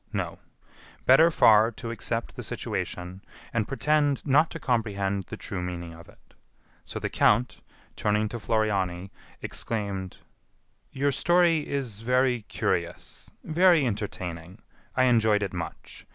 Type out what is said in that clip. No; better far to accept the situation, and pretend not to comprehend the true meaning of it. So the count, turning to Floriani, exclaimed: "Your story is very curious, very entertaining; I enjoyed it much.